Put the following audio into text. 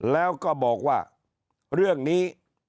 แล้วก็บอกว่าเรื่องนี้